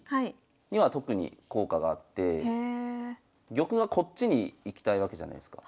玉がこっちに行きたいわけじゃないすか。